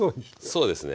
そうですね。